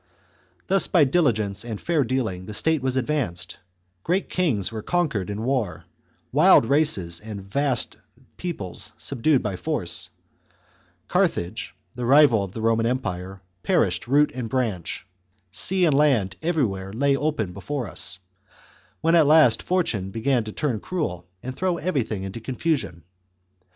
CHAP. X. Thus by diligence and fair dealing the state was advanced ; great kings were conquered in war, wild races and vast peoples subdued by force ; Carthage, the rival of the Roman Empire, perished root and branch, sea and land everywhere lay open before us, when at last fortune began to turn cruel, and throw everything into confusion.